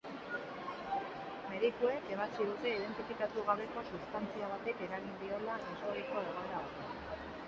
Medikuek ebatzi dute identifikatu gabeko substantzia batek eragin diola ezohiko egoera batean egotea.